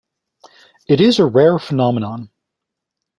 It is a rare Phenomenon.